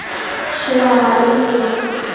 সে আমাদের মেয়ে।